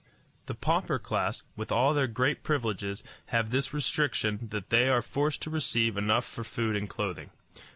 The pauper class, with all their great privileges, have this restriction, that they are forced to receive enough for food and clothing.